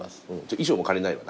衣装も借りないわ。